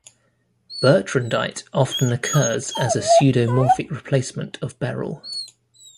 Bertrandite often occurs as a pseudomorphic replacement of beryl.